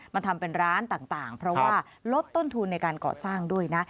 ทำเป็นร้านต่างเพราะว่าลดต้นทุนในการก่อสร้างด้วยนะ